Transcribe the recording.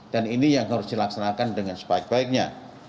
ini yang harus dilaksanakan dengan sebaik baiknya